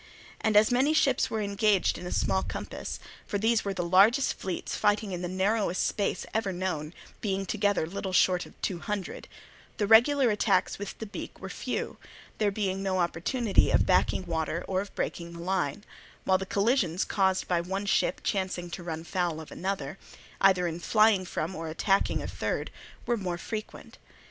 And as many ships were engaged in a small compass (for these were the largest fleets fighting in the narrowest space ever known, being together little short of two hundred), the regular attacks with the beak were few, there being no opportunity of backing water or of breaking the line; while the collisions caused by one ship chancing to run foul of another, either in flying from or attacking a third, were more frequent.